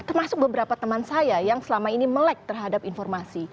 termasuk beberapa teman saya yang selama ini melek terhadap informasi